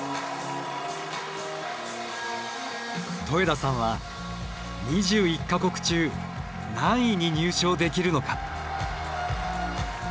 戸枝さんは２１か国中何位に入賞できるのか。